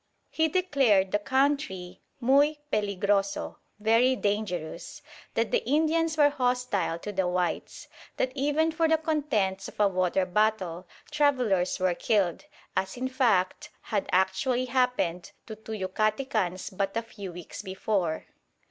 He declared the country "muy peligroso" (very dangerous); that the Indians were hostile to the whites; that even for the contents of a water bottle travellers were killed, as in fact had actually happened to two Yucatecans but a few weeks before.